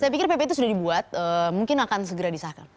saya pikir pp itu sudah dibuat mungkin akan segera disahkan